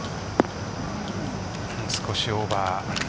少しオーバー。